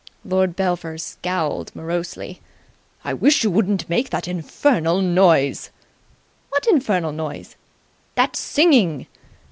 Lord Belpher scowled morosely. "I wish you wouldn't make that infernal noise!" "What infernal noise?" "That singing!"